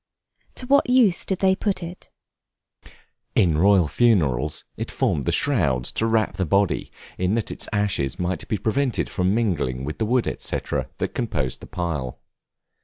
To what use did they put it? In royal funerals, it formed the shroud to wrap the body in that its ashes might be prevented from mingling with the wood, &c., that composed the pile.